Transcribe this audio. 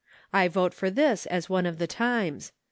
I vote for this as one of the times.